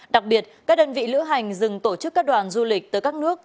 đặc biệt các đơn vị lữ hành dừng tổ chức các đoàn du lịch tới các nước